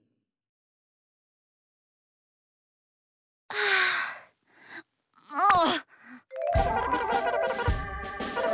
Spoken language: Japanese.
はあもう！